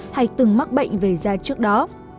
hay từng mắc bệnh về da trước đó